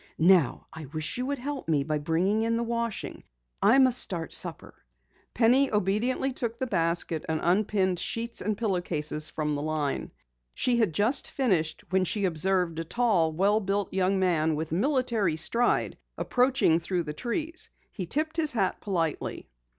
Now I wish you would help me by bringing in the washing. I must start supper." Penny obediently took the basket and unpinned sheets and pillow cases from the line. She had just finished when she observed a tall, well built young man with military stride, approaching through the trees. He tipped his hat politely.